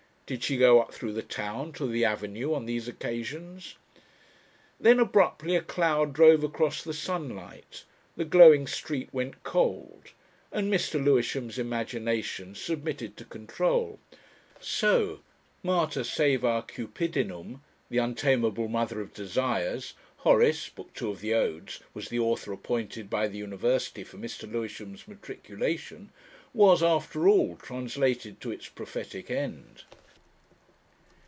Did she go up through the town to the avenue on these occasions?... Then abruptly a cloud drove across the sunlight, the glowing street went cold and Mr. Lewisham's imagination submitted to control. So "Mater saeva cupidinum," "The untamable mother of desires," Horace (Book II. of the Odes) was the author appointed by the university for Mr. Lewisham's matriculation was, after all, translated to its prophetic end.